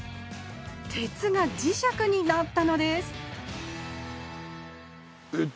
鉄が磁石になったのですえっ